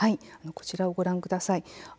こちらをご覧ください。